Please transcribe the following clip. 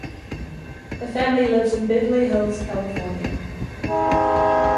The family lives in Beverly Hills, California.